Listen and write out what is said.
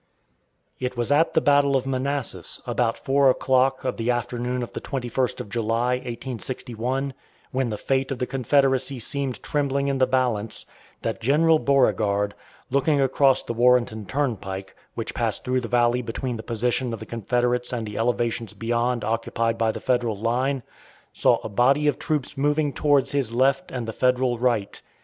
It was at the battle of Manassas, about four o'clock of the afternoon of the 21st of July, 1861, when the fate of the Confederacy seemed trembling in the balance, that General Beauregard, looking across the Warrenton turnpike, which passed through the valley between the position of the Confederates and the elevations beyond occupied by the Federal line, saw a body of troops moving towards his left and the Federal right.